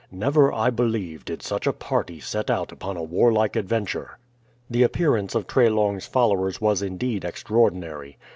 "Never, I believe, did such a party set out upon a warlike adventure." The appearance of Treslong's followers was indeed extraordinary.